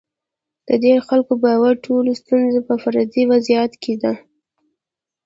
د دې خلکو په باور ټوله ستونزه په فردي وضعیت کې ده.